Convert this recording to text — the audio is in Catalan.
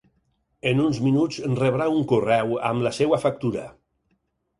En uns minuts rebrà un correu amb la seva factura.